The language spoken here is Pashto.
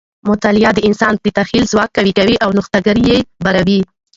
مطالعه د انسان د تخیل ځواک قوي کوي او نوښتګر یې باروي.